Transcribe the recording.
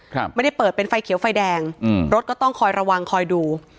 ครับไม่ได้เปิดเป็นไฟเขียวไฟแดงอืมรถก็ต้องคอยระวังคอยดู